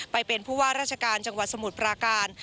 ไปเป็นผู้ว่าราชการจังหวัดสมุทรปราการ